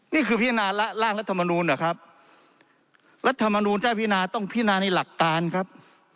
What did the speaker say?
นี่คือพิจารณาร่างรัฐมนุนเหรอครับรัฐมนุนท่านพิจารณาต้องพิจารณาในหลักตานครับ